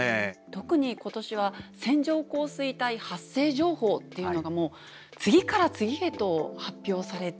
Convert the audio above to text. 特に今年は線状降水帯発生情報っていうのが次から次へと発表されて。